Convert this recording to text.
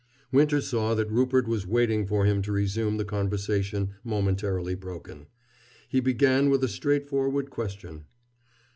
Winter saw that Rupert was waiting for him to resume the conversation momentarily broken. He began with a straightforward question.